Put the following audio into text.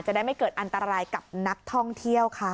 ได้ไม่เกิดอันตรายกับนักท่องเที่ยวค่ะ